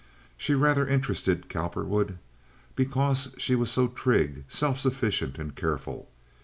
She rather interested Cowperwood because she was so trig, self sufficient, and careful.